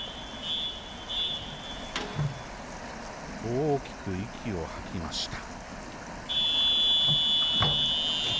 大きく息を吐きました。